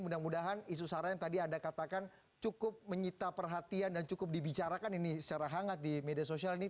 mudah mudahan isu sara yang tadi anda katakan cukup menyita perhatian dan cukup dibicarakan ini secara hangat di media sosial ini